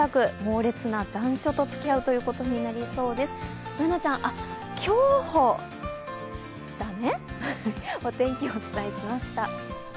Ｂｏｏｎａちゃん、競歩だね。